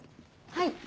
はい。